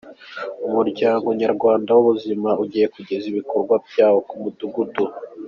Umuryango nyarwanda w’ubuzima ugiye kugeza ibikorwa byawo ku mudugudu